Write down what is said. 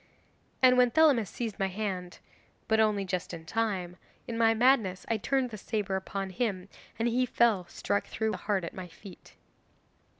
And when Thelamis seized my hand (but only just in time), in my madness I turned the sabre upon him, and he fell struck through the heart at my feet.